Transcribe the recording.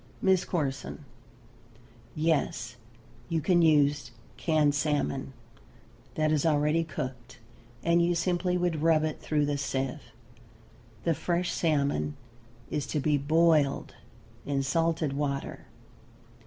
MISS CORSON. Yes, you can use canned salmon. That is already cooked, and you simply would rub it through the sieve. The fresh salmon is to be boiled in salted water.